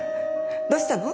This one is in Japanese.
どうしたの？